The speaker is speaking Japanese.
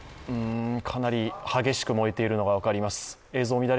かなり激しく燃えているのが分かります。